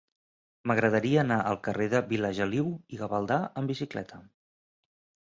M'agradaria anar al carrer de Vilageliu i Gavaldà amb bicicleta.